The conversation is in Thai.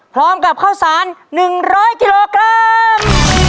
พร้อมกับข้าวสาร๑๐๐กิโลกรัม